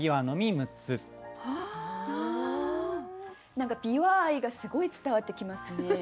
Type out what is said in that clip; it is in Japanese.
何かびわ愛がすごい伝わってきますね。